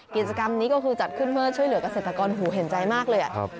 กิจกรรมนี้ก็คือจัดขึ้นเพื่อช่วยเหลือกเกษตรกรหูเห็นใจมากเลย